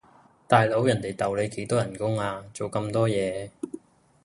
大佬人地逗你幾多人工呀，做咁多嘢？